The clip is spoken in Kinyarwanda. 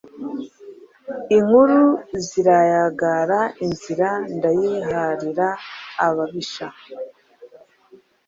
Inkuku zirayagara Inzira ndayihariraAbabisha